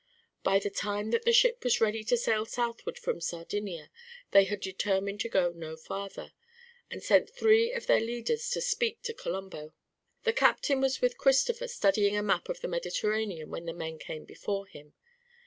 By the time that the ship was ready to sail southward from Sardinia they had determined to go no farther, and sent three of their leaders to speak to Colombo. The captain was with Christopher studying a map of the Mediterranean when the men came before him.